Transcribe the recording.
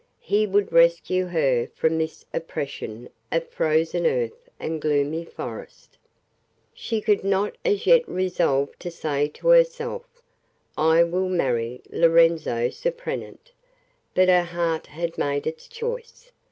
He would rescue her from this oppression of frozen earth and gloomy forest. She could not as yet resolve to say to herself: "I will marry Lorenzo Surprenant," but her heart had made its choice.